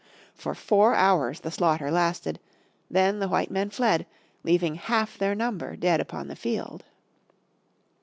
For four hours the slaughter lasted; then the white men fled, leaving half their number dead upon the field.